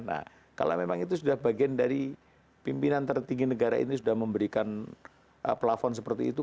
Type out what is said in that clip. nah kalau memang itu sudah bagian dari pimpinan tertinggi negara ini sudah memberikan plafon seperti itu